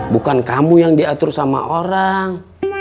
bukan kamu yang diatur sama orang